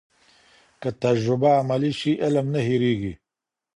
که تجربه عملي سي، علم نه هېرېږي.